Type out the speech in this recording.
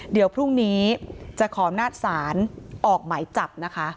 เดี๋ยวพรุ่งนี้จะขอหน้าสารออกไหมจับนะคะ